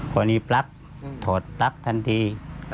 ตอนนี้ปลั๊บถอดปลั๊บทันที